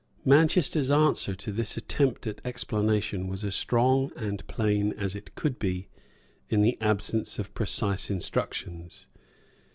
Manchester's answer to this attempt at explanation was as strong and plain as it could be in the absence of precise instructions.